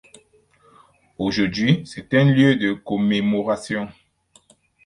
Aujourd'hui, c'est un lieu de commémoration.